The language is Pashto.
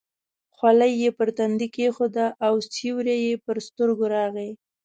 خولۍ یې پر تندي کېښوده او سیوری یې پر سترګو راغی.